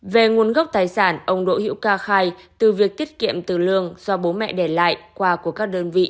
về nguồn gốc tài sản ông đỗ hữu ca khai từ việc tiết kiệm từ lương do bố mẹ để lại qua của các đơn vị